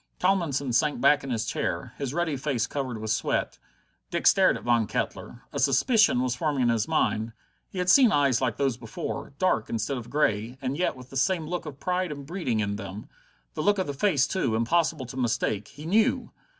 Tomlinson sank back in his chair, his ruddy face covered with sweat. Dick stared at Von Kettler. A suspicion was forming in his mind. He had seen eyes like those before, dark instead of grey, and yet with the same look of pride and breeding in them; the look of the face, too, impossible to mistake he knew!